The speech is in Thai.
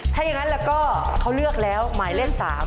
ถ้าอย่างนั้นแล้วก็เขาเลือกแล้วหมายเลข๓